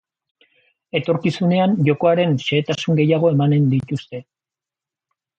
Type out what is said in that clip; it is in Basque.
Etorkizunean jokoaren xehetasun gehiago emango dituzte.